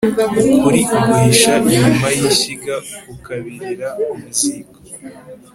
ukuri uguhisha inyuma y'ishyiga kukabirira mu ziko